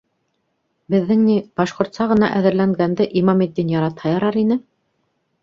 Беҙҙең ни, башҡортса ғына әҙерләнгәнде Имаметдин яратһа ярар ине.